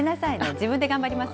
自分で頑張ります。